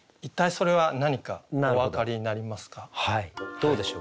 どうでしょう？